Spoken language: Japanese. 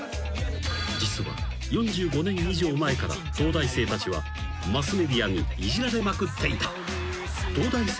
［実は４５年以上前から東大生たちはマスメディアにイジられまくっていた］